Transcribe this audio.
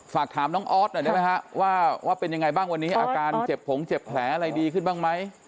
ฝากถามน้องออสหน่อยได้ไหมฮะว่าเป็นยังไงบ้างวันนี้อาการเจ็บผงเจ็บแผลอะไรดีขึ้นบ้างไหม